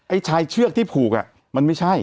ไอ้ชายเชือกที่ผูกอ่ะมันไม่ใช่